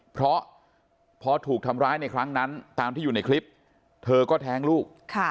เพราะพอถูกทำร้ายในครั้งนั้นตามที่อยู่ในคลิปเธอก็แท้งลูก